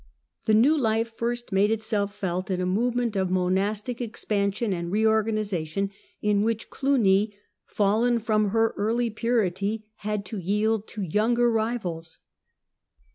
The new life first made itself felt in a movement of monastic expansion and reorganization in which Cluny, Monastic fallen from her early purity, had to yield to younger rivals.